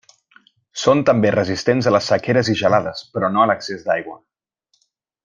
Són també resistents a les sequeres i gelades, però no a l'excés d'aigua.